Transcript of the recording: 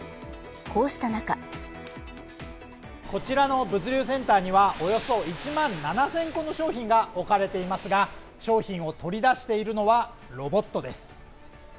こうした中こちらの物流センターにはおよそ１万７０００個の商品が置かれていますが商品を取り出しているのはロボットです。